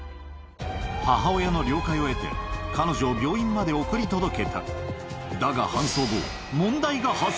母親の了解を得て彼女を病院まで送り届け